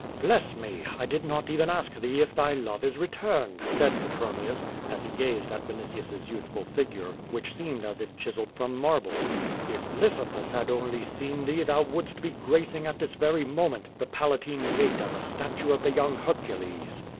'^less me I I did not even ask thee if thy love is re turned," said Petronius, as he gazed at Vinitius's youthful figure, which seemed as if chiseled from marble. "If Lissi pua had only seen thee thou wouldst be gracing at this very moment the Palatine Gate as a statue of the young Her cules."